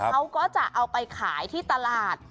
เขาก็จะเอาไปขายที่ตลาด